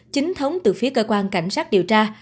chính thống từ phía cơ quan cảnh sát điều tra